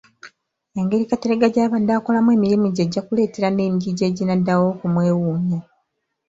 Engeri Kateregga gy’abadde akolamu emirimu gye ejja kuleetera n’emigigi eginaddawo okumwewuunya.